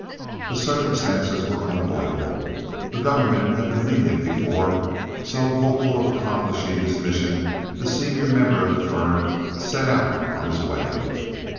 The circumstances were unavoidable; the government had been lenient before; so, hopeful of accomplishing his mission, the senior member of the firm set out on his way.